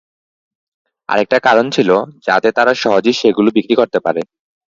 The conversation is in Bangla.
আরেকটা কারণ ছিল, যাতে তারা সহজেই সেগুলো বিক্রি করতে পারে।